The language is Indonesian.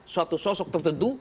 suatu sosok tertentu